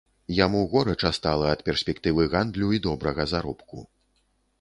Яму горача стала ад перспектывы гандлю і добрага заробку.